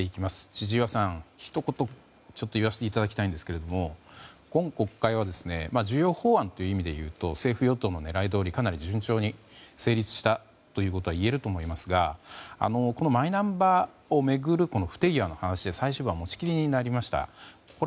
千々岩さん、ひと言ちょっと言わせていただきたいんですが今国会は重要法案という意味でいうと政府・与党の狙いどおり、かなり順調に成立したということは言えると思いますがこのマイナンバーを巡る不手際の話で、最終盤は持ち切りになりましたね。